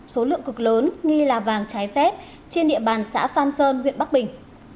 số lượng cực lớn nghi là vàng trái phép trên địa bàn xã phan sơn huyện bắc bình